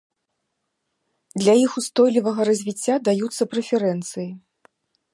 Для іх устойлівага развіцця даюцца прэферэнцыі.